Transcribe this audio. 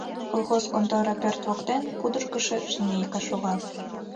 Колхоз контора пӧрт воктен пудыргышо жнейка шога.